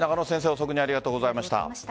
遅くにありがとうございました。